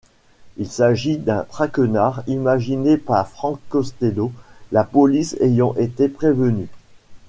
Il s'agissait d'un traquenard imaginé par Frank Costello, la police ayant été prévenue.